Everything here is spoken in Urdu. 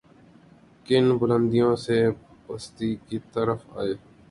کن بلندیوں سے پستی کی طرف آئے۔